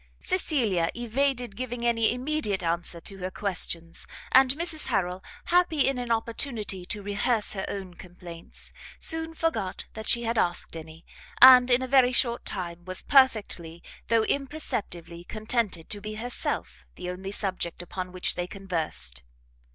Cecilia evaded giving any immediate answer to her questions, and Mrs Harrel, happy in an opportunity to rehearse her own complaints, soon forgot that she had asked any, and, in a very short time, was perfectly, though imperceptibly, contented to be herself the only subject upon which they conversed.